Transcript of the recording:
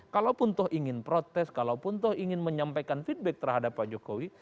kalaupun toh ingin protes kalaupun toh ingin menyampaikan feedback terhadap pak jokowi